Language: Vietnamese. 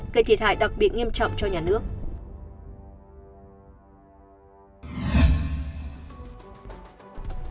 gây thiệt hại đặc biệt nghiêm trọng cho nhà nước